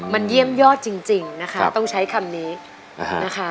มันเยี่ยมยอดจริงนะคะต้องใช้คำนี้นะคะ